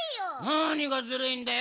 なにがずるいんだよ？